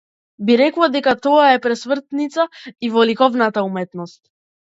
Би рекла дека тоа е пресвртница и во ликовната уметност.